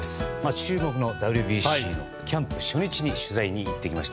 注目のＷＢＣ、キャンプ初日に取材に行ってきました。